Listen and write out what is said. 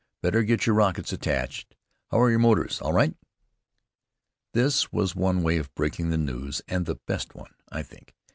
Better get your rockets attached. How are your motors all right?" This was one way of breaking the news, and the best one, I think.